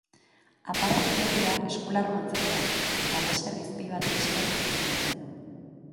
Aparatu berria eskularru antzeko bat da eta laser izpi bati esker funtzionatzen du.